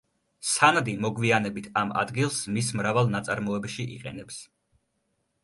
სანდი მოგვიანებით ამ ადგილს მის მრავალ ნაწარმოებში იყენებს.